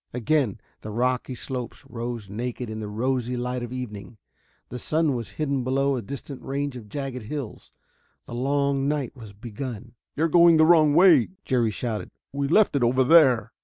Again the rocky slopes rose naked in the rosy light of evening. The sun was hidden below a distant range of jagged hills. The long night was begun. "You're going the wrong way," Jerry shouted. "We left it over there."